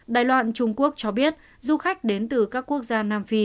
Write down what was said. đài loan trung quốc cho biết du khách đến từ các quốc gia nam phi